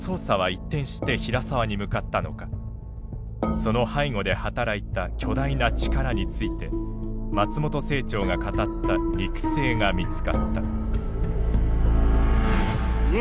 その背後で働いた巨大な力について松本清張が語った肉声が見つかった。